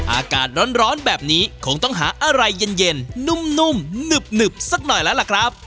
อากาศร้อนร้อนแบบนี้คงต้องหาอะไรเย็นเย็นนุ่มนุ่มหนึบหนึบสักหน่อยแล้วล่ะครับ